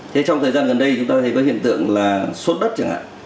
thế trong thời gian gần đây chúng ta thấy có hiện tượng là sốt đất chẳng hạn